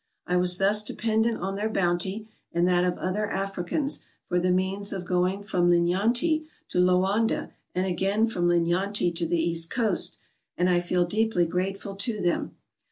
I was thus de pendent on their bounty, and that of other Africans, for the means of going from Linyanti to Loanda, and again from Linyanti to the east coast, and I feel deeply grateful to them.